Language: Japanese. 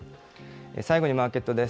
最後にマーケットです。